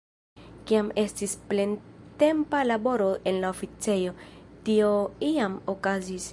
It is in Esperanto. Kiam estis plentempa laboro en la oficejo, tio jam okazis.